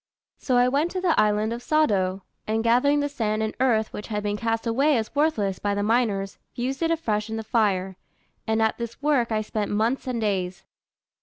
So I went to the island of Sado, and gathering the sand and earth which had been cast away as worthless by the miners, fused it afresh in the fire; and at this work I spent months and days."